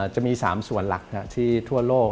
จะมี๓ส่วนหลักที่ทั่วโลก